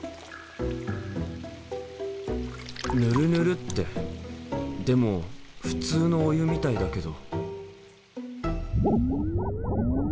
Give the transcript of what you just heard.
ヌルヌルってでも普通のお湯みたいだけど。